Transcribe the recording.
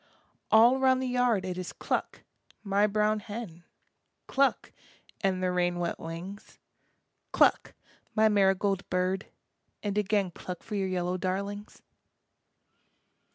All round the yard it is cluck, my brown hen, Cluck, and the rain wet wings, Cluck, my marigold bird, and again Cluck for your yellow darlings.